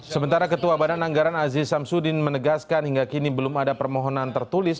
sementara ketua badan anggaran aziz samsudin menegaskan hingga kini belum ada permohonan tertulis